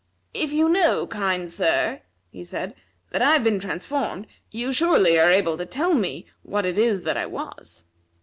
"If you know, kind sir," he said, "that I have been transformed, you surely are able to tell me what it is that I was."